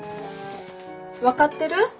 分かってる？